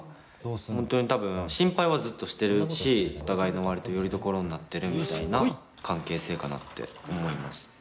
本当に多分心配はずっとしてるしお互いの割とよりどころになってるみたいな関係性かなって思います。